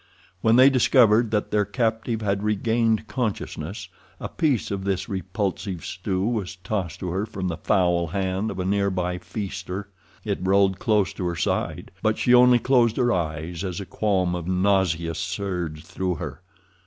When they discovered that their captive had regained consciousness, a piece of this repulsive stew was tossed to her from the foul hand of a nearby feaster. It rolled close to her side, but she only closed her eyes as a qualm of nausea surged through her.